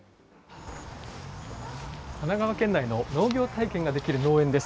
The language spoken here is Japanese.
神奈川県内の農業体験ができる農園です。